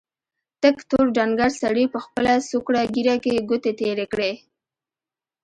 تک تور ډنګر سړي په خپله څوکړه ږيره کې ګوتې تېرې کړې.